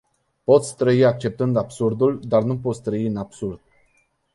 Poți trăi acceptînd absurdul, dar nu poți trăi în absurd.